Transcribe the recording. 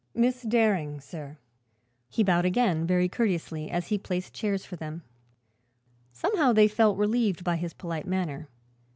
"Miss Daring, sir." He bowed again, very courteously, as he placed chairs for them. Somehow, they felt relieved by his polite manner.